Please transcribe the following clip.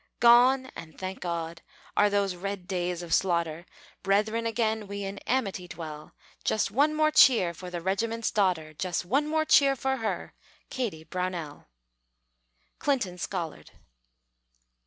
Gone (and thank God!) are those red days of slaughter! Brethren again we in amity dwell; Just one more cheer for the Regiment's Daughter! Just one more cheer for her, Kady Brownell! CLINTON SCOLLARD.